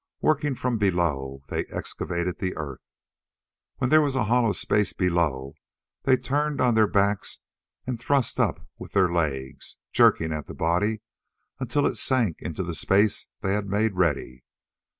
Working from below, they excavated the earth. When there was a hollow space below they turned on their backs and thrust up with their legs, jerking at the body until it sank into the space they had made ready.